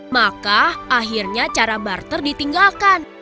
maka akhirnya cara barter ditinggalkan